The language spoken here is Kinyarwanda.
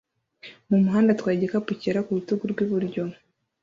mu muhanda atwaye igikapu cyera ku rutugu rw'iburyo